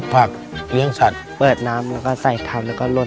ในแคมเปญพิเศษเกมต่อชีวิตโรงเรียนของหนู